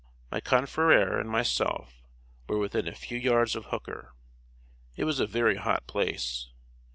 My confrère and myself were within a few yards of Hooker. It was a very hot place.